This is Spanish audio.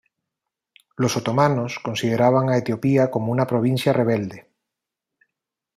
Los otomanos consideraban a Etiopía como una provincia rebelde.